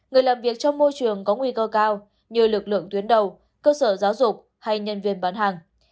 người làm việc trong môi trường có nguy cơ cao như lực lượng tuyến đầu cơ sở giáo dục hay nhân viên bán hàng